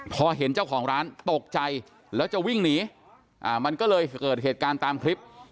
พอเห็นเจ้าของร้านตกใจแล้วจะวิ่งหนีมันก็เลยเกิดเหตุการณ์ตามคลิป